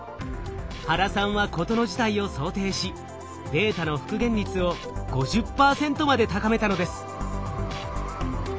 原さんは事の事態を想定しデータの復元率を５０％まで高めたのです。